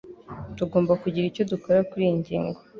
Tugomba kugira icyo dukora kuriyi ngingo